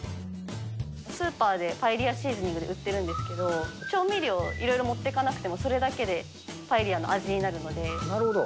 スーパーでパエリアシーズニングで売ってるんですけど、調味料いろいろ持っていかなくても、それだけでパエリアの味にななるほど。